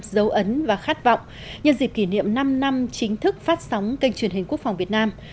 dấu ấn và khát vọng nhân dịp kỷ niệm năm năm chính thức phát sóng kênh truyền hình quốc phòng việt nam